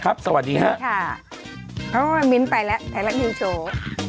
ครับสวัสดีค่ะมิ้นท์ไปแล้วไทยรัฐมีโชว์